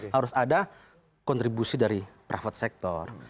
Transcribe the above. harus ada kontribusi dari private sector